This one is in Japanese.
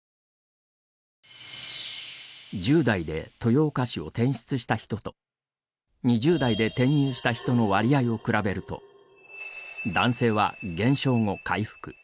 １０代で豊岡市を転出した人と２０代で転入した人の割合を比べると、男性は減少後、回復。